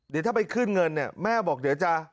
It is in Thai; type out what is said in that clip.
เดี๋ยวถ้าไปขึ้นเงินเนี่ยแม่บอกเดี๋ยวจะ